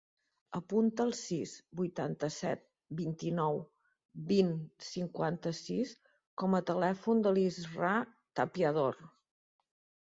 Apunta el sis, vuitanta-set, vint-i-nou, vint, cinquanta-sis com a telèfon de l'Israa Tapiador.